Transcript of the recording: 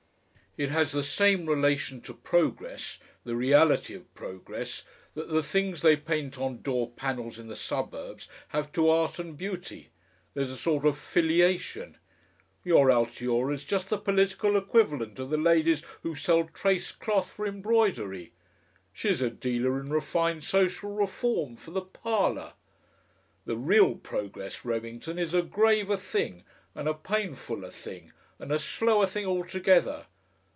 "It has the same relation to progress the reality of progress that the things they paint on door panels in the suburbs have to art and beauty. There's a sort of filiation.... Your Altiora's just the political equivalent of the ladies who sell traced cloth for embroidery; she's a dealer in Refined Social Reform for the Parlour. The real progress, Remington, is a graver thing and a painfuller thing and a slower thing altogether.